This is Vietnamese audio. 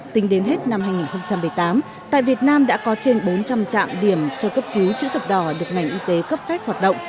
tính đến hết năm hai nghìn một mươi tám tại việt nam đã có trên bốn trăm linh trạm điểm sơ cấp cứu chữ thập đỏ được ngành y tế cấp phép hoạt động